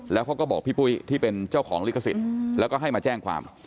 แล้วเขาก็บอกพี่ปุ้ยที่เป็นเจ้าของลิขสิทธิ์แล้วก็ให้มาแจ้งความ